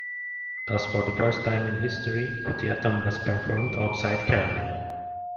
Thus for the first time in history Kutiyattam was performed outside Kerala.